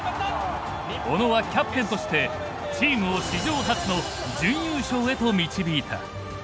小野はキャプテンとしてチームを史上初の準優勝へと導いた。